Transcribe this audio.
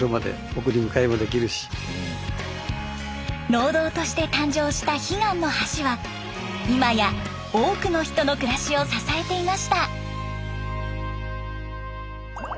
農道として誕生した悲願の橋は今や多くの人の暮らしを支えていました。